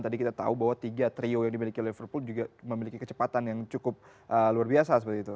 tadi kita tahu bahwa tiga trio yang dimiliki liverpool juga memiliki kecepatan yang cukup luar biasa seperti itu